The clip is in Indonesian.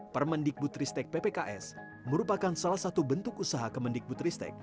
permendikbutristek ppks merupakan salah satu bentuk usaha kemendikbutristek